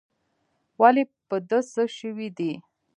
ولي په ده څه سوي دي؟